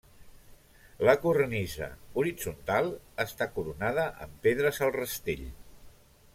La cornisa, horitzontal, està coronada amb pedres al rastell.